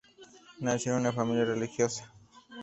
Nació en una familia religiosa.